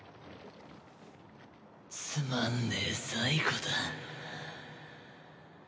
つまんねえ最期だ。